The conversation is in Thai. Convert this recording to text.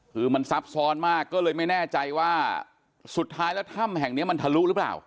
คือมันซับซ้อนมากก็เลยไม่แน่ใจว่าสุดท้ายแล้วถ้ำแห่งเนี้ยมันทะลุหรือเปล่า